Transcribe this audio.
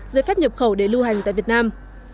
giấy phép nhập khẩu để lưu hành tại việt nam